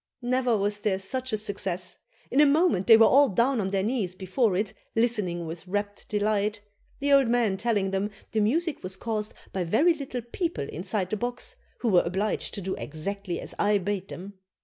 Never was there such a success. In a moment they were all down on their knees before it listening with rapt delight, the old man telling them the music was caused by very little people inside the box, who were obliged to do exactly as I bade them.